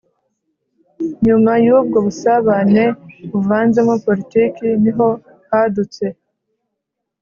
nyuma y'ubwo busabane buvanzemo politiki, ni ho hadutse